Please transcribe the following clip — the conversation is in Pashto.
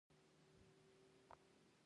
کله چې وخت پیدا شي بس کښتۍ چلوم.